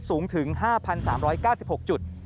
สูงถึง๕๓๙๖จุด